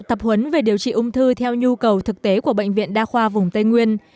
tập huấn về điều trị ung thư theo nhu cầu thực tế của bệnh viện đa khoa vùng tây nguyên